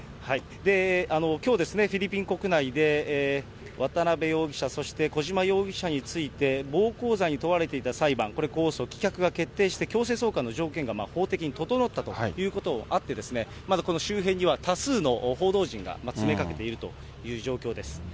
きょう、フィリピン国内で渡辺容疑者、そして小島容疑者について、暴行罪に問われていた裁判、これ控訴棄却が決定して、強制送還の条件が法的に整ったということもあって、まずこの周辺には周辺には多数の報道陣が詰めかけているという状況です。